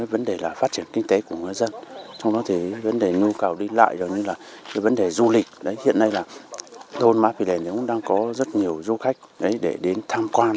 vấn đề nhu cầu đi lại vấn đề du lịch hiện nay là thôn mã phị làng cũng đang có rất nhiều du khách để đến tham quan